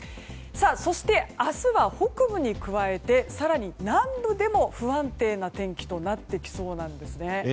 そして、明日は北部に加えて更に南部でも不安定な天気となってきそうなんです。